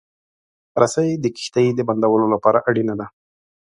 رسۍ د کښتۍ د بندولو لپاره اړینه ده.